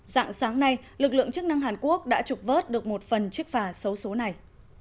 dạng sáng nay lực lượng chức năng hàn quốc đã trục vớt được một phần chiếc phà xấu số này